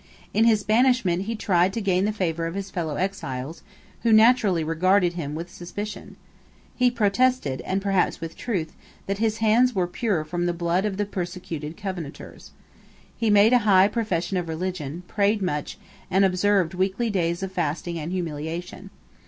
In his banishment he tried to gain the favour of his fellow exiles, who naturally regarded him with suspicion. He protested, and perhaps with truth, that his hands were pure from the blood of the persecuted Covenanters. He made a high profession of religion, prayed much, and observed weekly days of fasting and humiliation.